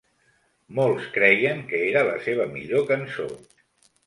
Molts creien que era la seva millor cançó.